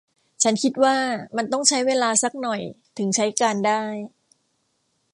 ฉันคิดว่ามันต้องใช้เวลาซักหน่อยถึงใช้การได้